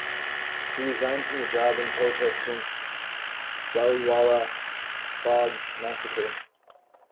He resigned from the job in protest against Jallianwala Bagh massacre.